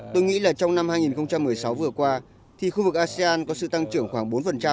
tôi nghĩ là trong năm hai nghìn một mươi sáu vừa qua thì khu vực asean có sự tăng trưởng khoảng bốn